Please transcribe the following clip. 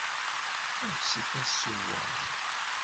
Ḥebset aṣewwer!